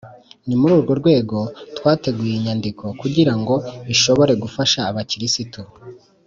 ni muri urwo rwego twateguye iyi nyandiko kugira ngo ishobore gufasha abakristu